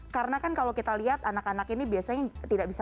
karena kan kalau kita lihat anak anak ini biasanya tidak bisa